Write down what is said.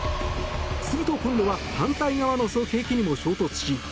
すると今度は反対側の側壁にも衝突。